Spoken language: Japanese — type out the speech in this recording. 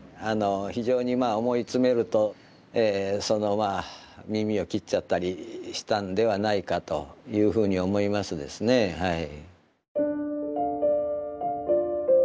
非常にまあ思い詰めるとそのまあ耳を切っちゃったりしたんではないかというふうに思いますですねはい。